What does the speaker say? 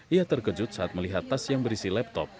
ia terkejut saat melihat tas yang berisi laptop